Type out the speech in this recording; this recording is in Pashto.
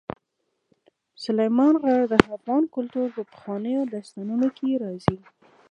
سلیمان غر د افغان کلتور په پخوانیو داستانونو کې راځي.